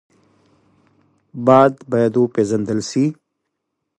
باد باید وپېژندل شي